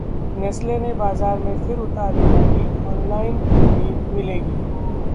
Nestle ने बाजार में फिर उतारी मैगी, ऑनलाइन भी मिलेगी